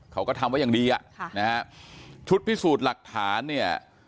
เขาก็ทำไว้อย่างดีอ่ะค่ะนะฮะชุดพิสูจน์หลักฐานเนี่ย